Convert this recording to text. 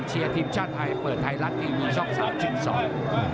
เชียร์ทีมชาติไทยเปิดไทยรัฐทีวีช่อง๓๒